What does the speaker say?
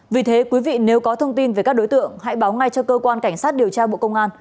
vì thế quý vị nếu có thông tin về các đối tượng hãy báo ngay cho cơ quan cảnh sát điều tra bộ công an